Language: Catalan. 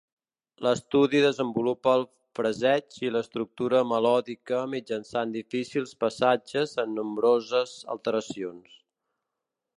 L'estudi desenvolupa el fraseig i l'estructura melòdica mitjançant difícils passatges amb nombroses alteracions.